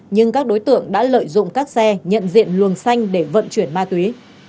nhưng các đối tượng đã lợi dụng các xe nhận diện luồng xanh để vận chuyển ma túy